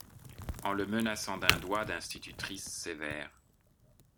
en le menaçant d’un doigt d’institutrice sévère.